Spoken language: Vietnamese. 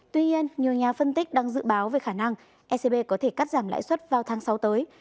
tuy nhiên nhiều nhà phân tích đang dự báo về khả năng ecb có thể cắt giảm lãi suất vào tháng sáu tới